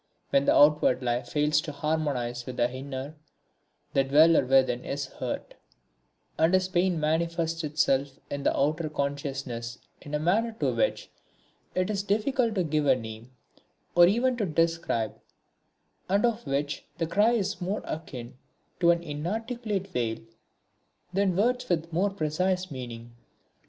When the outward life fails to harmonise with the inner, the dweller within is hurt, and his pain manifests itself in the outer consciousness in a manner to which it is difficult to give a name, or even to describe, and of which the cry is more akin to an inarticulate wail than words with more precise meaning.